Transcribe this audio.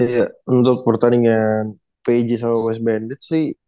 ya untuk pertandingan pj sama west bandit sih